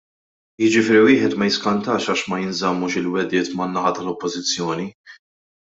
Jiġifieri wieħed ma jiskantax għax ma jinżammux il-wegħdiet man-naħa tal-Oppożizzjoni!